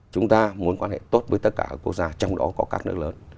chúng ta muốn quan hệ tốt với tất cả các quốc gia trong đó có các nước lớn